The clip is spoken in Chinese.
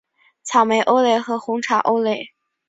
草莓欧蕾和红茶欧蕾